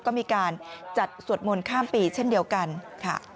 ก็มีการจัดสวดมนต์ข้ามปีเช่นเดียวกันค่ะ